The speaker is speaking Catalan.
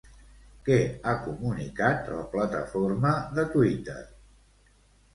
Què ha comunicat la plataforma de Twitter?